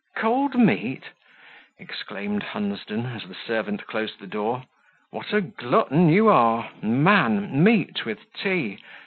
"Cold meat!" exclaimed Hunsden, as the servant closed the door, "what a glutton you are; man! Meat with tea!